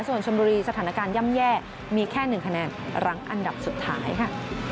ส่วนชนบุรีสถานการณ์ย่ำแย่มีแค่๑คะแนนหลังอันดับสุดท้ายค่ะ